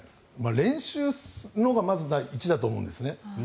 練習がまず第一だと思うんですね。